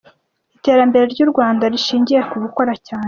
Iterambere ry’u Rwanda rishingiye ku gukora cyane.